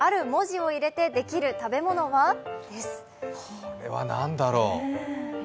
これは何だろう。